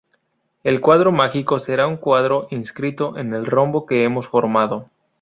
El cuadrado mágico será un cuadrado inscrito en el rombo que hemos formado.